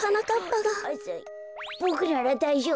ボクならだいじょうぶ！